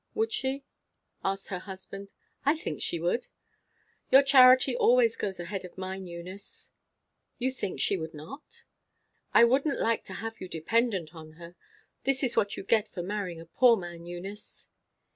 "Would she?" asked her husband. "I think she would." "Your charity always goes ahead of mine, Eunice." "You think she would not?" "I wouldn't like to have you dependent on her. This is what you get for marrying a poor man, Eunice!"